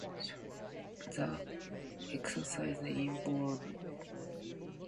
The exercise involves matching each phrase with its corresponding description.